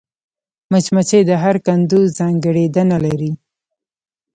مچمچۍ د هر کندو ځانګړېندنه لري